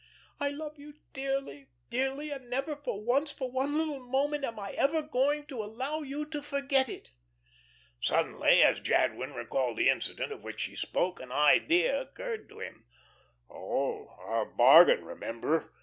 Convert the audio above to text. I love you dearly, dearly, and never for once, for one little moment, am I ever going to allow you to forget it." Suddenly, as Jadwin recalled the incident of which she spoke, an idea occurred to him. "Oh, our bargain remember?